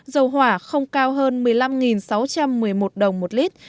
dầu hỏa không cao hơn một mươi năm sáu trăm một mươi một đồng một lít